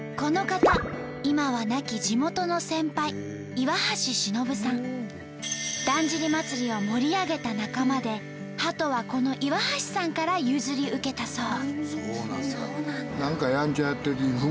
この方だんじり祭を盛り上げた仲間でハトはこの岩橋さんから譲り受けたそう。